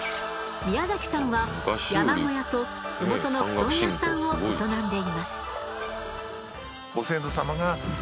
宮崎さんは山小屋と麓のふとん屋さんを営んでいます。